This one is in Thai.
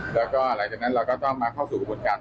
เราต้องรวบรวมไว้ยังไง